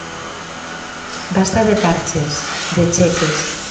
Basta de parches, de cheques.